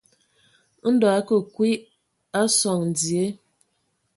Ndɔ a akə kwi a sɔŋ dzie.